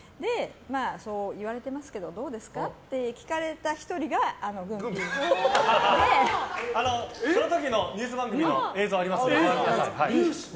そう言われてますけどどうですかって聞かれた１人があのぐんぴぃで。その時のニュース番組の映像ご覧ください。